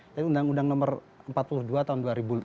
itu undang undang nomor empat puluh dua tahun dua ribu empat belas